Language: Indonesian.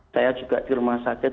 saya juga di rumah sakit